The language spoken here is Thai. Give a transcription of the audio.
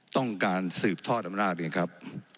ต้องการสืบทอดอำนาจเองครับ